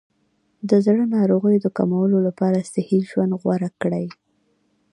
د زړه ناروغیو د کمولو لپاره صحي ژوند غوره کړئ.